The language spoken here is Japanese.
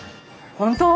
本当？